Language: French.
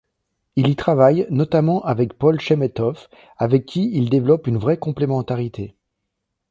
Il y travaille notamment avec Paul Chemetov, avec qui il développe une vraie complémentarité.